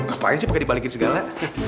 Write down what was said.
ngapain sih pakai dibalikin segala